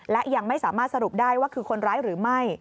และยังไม่สามารถสรุปได้ว่าคือคนร้ายหรือไม่